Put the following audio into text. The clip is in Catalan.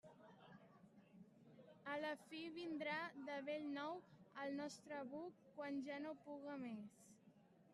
A la fi vindrà, de bell nou, al nostre buc, quan ja no puga més.